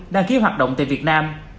đăng ký hoạt động tại việt nam